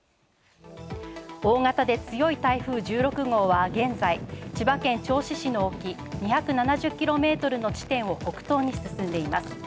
大型で強い台風１６号は現在、千葉県銚子市の沖２７０キロメートルの地点を北東に進んでいます。